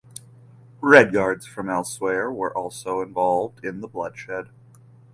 Red Guards from elsewhere were also involved in the bloodshed.